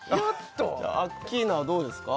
アッキーナはどうですか？